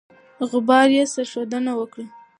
غبار یې سرښندنه ستایي.